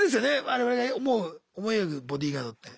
我々が思い描くボディーガードって。